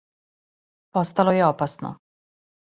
Постало је опасно.